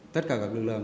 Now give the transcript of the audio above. tất cả các lực lượng